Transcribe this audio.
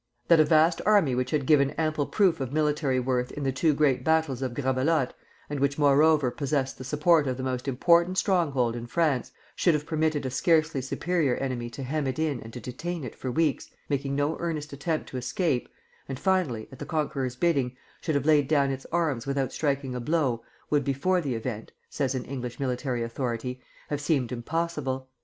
"That a vast army which had given ample proof of military worth in the two great battles of Gravelotte, and which moreover possessed the support of the most important stronghold in France, should have permitted a scarcely superior enemy to hem it in and to detain it for weeks, making no earnest attempt to escape, and finally, at the conqueror's bidding, should have laid down its arms without striking a blow, would before the event," says an English military authority, "have seemed impossible.